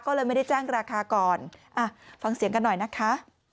ก็เลยไม่ได้แจ้งราคาก่อนอ่ะฟังเสียงกันหน่อยนะคะ